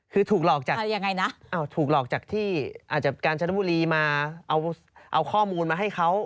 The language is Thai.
คือถูกหลอกจากที่อาจารย์การชนบุรีมาเอาข้อมูลมาให้เขา